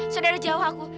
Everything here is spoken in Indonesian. saudara jauh aku